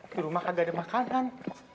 di rumah kagak ada makanan